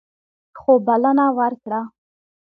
خو بلنه ورکړه.